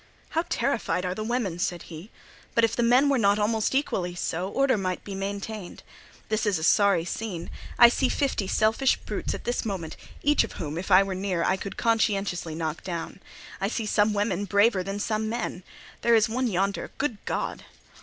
"How terrified are the women!" said he; "but if the men were not almost equally so, order might be maintained. This is a sorry scene: I see fifty selfish brutes at this moment, each of whom, if I were near, I could conscientiously knock down. I see some women braver than some men. There is one yonder—Good God!"